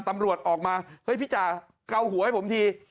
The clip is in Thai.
ตำรวจออกมาเฮ้ยพี่จ๋าเกาหัวให้ผมที